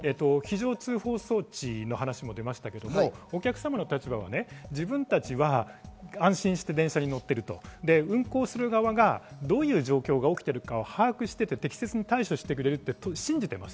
非常通報装置の話も出ましたが、お客様の立場は自分たちは安心して電車に乗っている運行する側がどういう状況が起きているかを把握していて適切に対処してくれると信じています。